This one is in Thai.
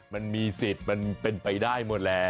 มันมีสิทธิ์มันเป็นไปได้หมดแล้ว